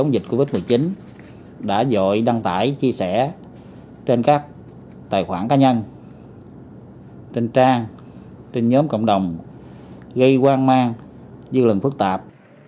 dịch covid một mươi chín đã dội đăng tải chia sẻ trên các tài khoản cá nhân trên trang trên nhóm cộng đồng gây hoang mang dư luận phức tạp